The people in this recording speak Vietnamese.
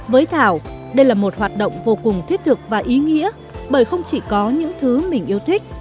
với thảo đây là một hoạt động vô cùng thiết thực và ý nghĩa bởi không chỉ có những thứ mình yêu thích